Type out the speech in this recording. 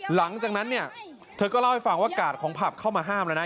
หลังจากนั้นเนี่ยเธอก็เล่าให้ฟังว่ากาดของผับเข้ามาห้ามแล้วนะ